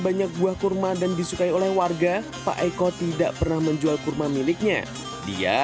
banyak buah kurma dan disukai oleh warga pak eko tidak pernah menjual kurma miliknya dia